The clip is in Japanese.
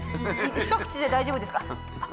一口で大丈夫ですか？